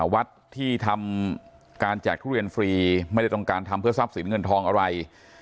วัดที่ทำการแจกทุเรียนฟรีไม่ได้ต้องการทำเพื่อทรัพย์สินเงินทองอะไร